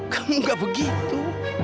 kamu gak begitu